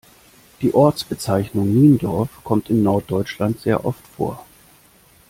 Die Ortsbezeichnung Niendorf kommt in Norddeutschland sehr oft vor.